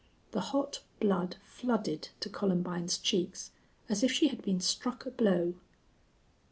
The hot blood flooded to Columbine's cheeks, as if she had been struck a blow.